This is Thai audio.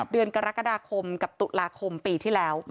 เดือนกรกฎาคมกับตุลาคมปีที่แล้ว